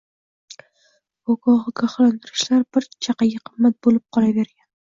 Bu ogohlantirishlar bir chaqaga qimmat bo`lib qolavergan